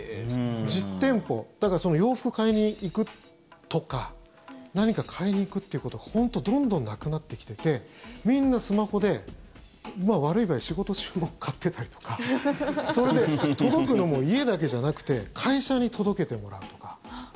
実店舗洋服を買いに行くとか何かを買いに行くということが本当にどんどんなくなってきててみんなスマホでまあ悪い場合仕事中も買ってたりとかそれで届くのも家だけじゃなくて会社に届けてもらうとか。